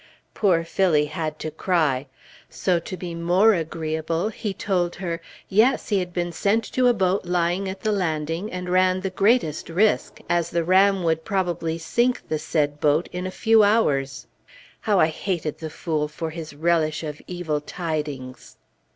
Poor Phillie had to cry; so, to be still more agreeable, he told her, Yes, he had been sent to a boat lying at the landing, and ran the greatest risk, as the ram would probably sink the said boat in a few hours. How I hated the fool for his relish of evil tidings!